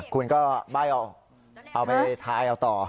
คุณก็ใบ้เอาเอาไปทายเอาต่อ